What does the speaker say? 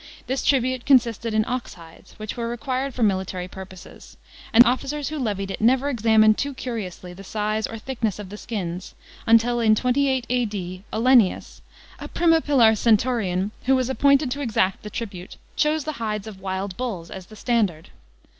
This tribute consisted in ox hides, which were required fo;* military purposes, and the officers who levied it never examined too curiously the size or thickness of the skins, until in 28 A.D. Olennius, a primipilar centurion, who was appointed to exact the tribute, chose the hides of wild bulls as the standard.